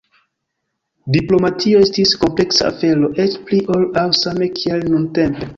Diplomatio estis kompleksa afero, eĉ pli ol aŭ same kiel nuntempe.